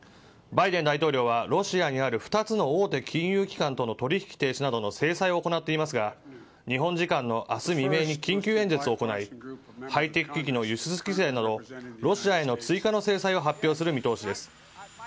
バイデン大統領はロシアにある２つの大手金融機関との取引停止などの制裁を行っていますが日本時間の明日未明に緊急演説を行いハイテク機器の輸出規制などロシアへの追加の制裁を発表する見通しです。